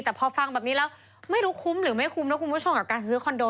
แต่พอฟังแบบนี้แล้วไม่รู้คุ้มหรือไม่คุ้มนะคุณผู้ชมกับการซื้อคอนโด